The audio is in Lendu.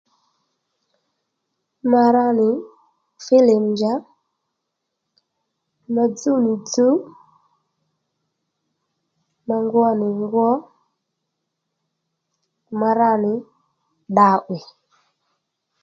Ma ra nì filim njà ma dzúw nì dzuw ma ngwo nì ngwo ma ra nì dda 'wiy